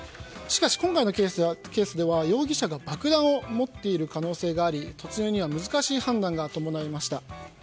しかし今回のケースでは容疑者が爆弾を持っている可能性があり突入には難しい判断が伴いました。